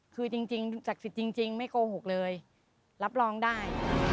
คือจริงศักดิ์สิทธิ์จริงไม่โกหกเลยรับรองได้